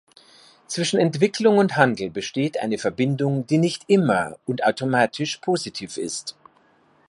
Zwischen Entwicklung und Handel besteht eine Verbindung, die nicht immer und automatisch positiv ist.